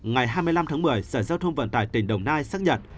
ngày hai mươi năm tháng một mươi sở giao thông vận tải tỉnh đồng nai xác nhận